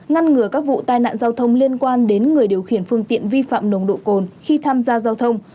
ngăn ngừa các vụ tai nạn giao thông liên quan đến người điều khiển phương tiện vi phạm nồng độ cồn khi tham gia giao thông